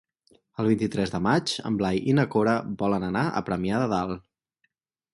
El vint-i-tres de maig en Blai i na Cora volen anar a Premià de Dalt.